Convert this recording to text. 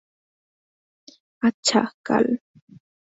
আচ্ছা, কাল।